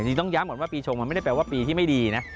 ต้องย้ำก่อนว่าปีชงมันไม่ได้แปลว่าปีที่ไม่ดีนะ